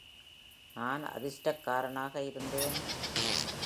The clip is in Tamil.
நான் அதிர்ஷ்டக்காரனாக இருந்தேன்.